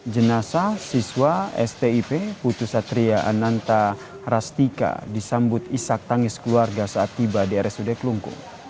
jenasa siswa stip putus satria ananta rastika disambut isak tangis keluarga saat tiba di rsud klungkung